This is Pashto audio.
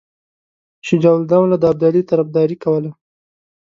شجاع الدوله د ابدالي طرفداري کوله.